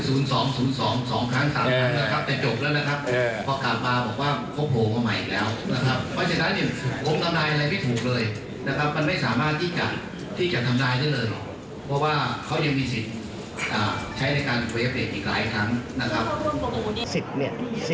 สิทธิ์เนี่ยสิทธิ์